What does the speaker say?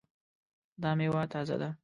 دا میوه تازه ده؟